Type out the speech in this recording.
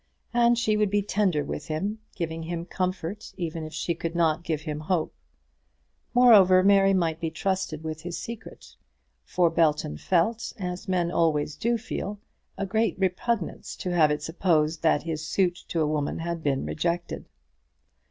And she would be tender with him, giving him comfort even if she could not give him hope. Moreover Mary might be trusted with his secret; for Belton felt, as men always do feel, a great repugnance to have it supposed that his suit to a woman had been rejected.